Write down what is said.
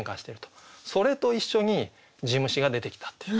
それと一緒に地虫が出てきたっていう。